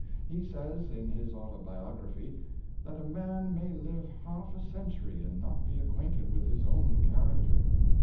He says, in his Autobiog raphy, that a man may live half a century and not be acquainted with his own character.